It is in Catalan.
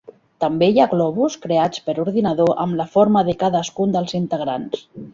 També hi ha globus creats per ordinador amb la forma de cadascun dels integrants.